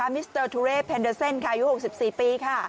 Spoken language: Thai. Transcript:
มิสเตอร์ทูเลส์เพนเดอร์เซ็นอายุ๖๔ปี